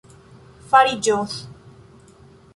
fariĝos